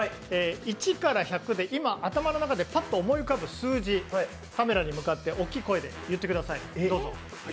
１から１００で今、頭の中でパッと思い浮かぶ数字、カメラに向かって大きい声で言ってください。